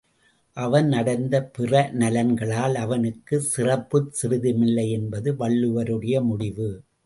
அவன் அடைந்த பிறநலன்களால் அவனுக்குச் சிறப்புச் சிறிதுமில்லை என்பது வள்ளுவருடைய முடிவு.